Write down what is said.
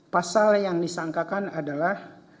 pasal yang disangkakan adalah